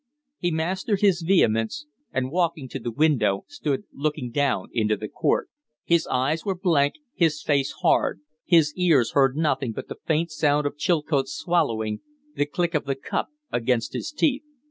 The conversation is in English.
He mastered his vehemence, and, walking to the window, stood looking down into the court. His eyes were blank, his face hard; his ears heard nothing but the faint sound of Chilcote's swallowing, the click of the cup against his teeth.